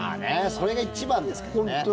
それが一番ですけどね。